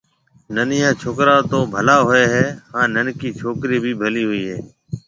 ننَيان ڇوڪرا تو ڀلا هوئي هيَ هانَ ننڪيَ ڇوڪريَ بي ڀليَ هوئي هيَ۔